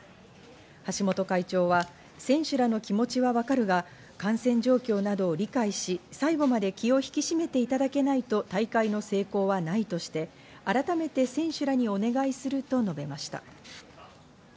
橋本会長は選手らの気持ちはわかるが、感染状況などを理解し、最後まで気を引き締めて頂けないと大会の成功はないとして改めて選手らにお願いすると述べました。